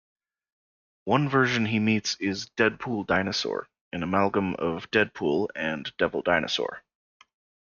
One version he meets is "Deadpool Dinosaur", an amalgam of Deadpool and Devil Dinosaur.